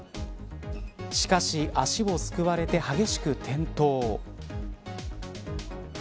しかし、足をすくわれて激しく転倒。